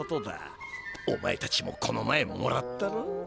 おまえたちもこの前もらったろ。